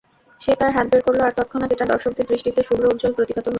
সে তার হাত বের করল আর তৎক্ষণাৎ এটা দর্শকদের দৃষ্টিতে শুভ্র উজ্জ্বল প্রতিভাত হল।